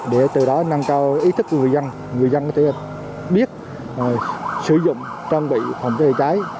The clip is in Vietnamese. để từ đó nâng cao ý thức của người dân người dân có thể biết sử dụng trang bày phòng cháy chữa cháy